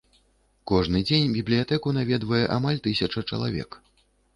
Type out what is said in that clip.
Кожны дзень бібліятэку наведвае амаль тысяча чалавек.